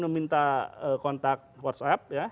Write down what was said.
meminta kontak whatsapp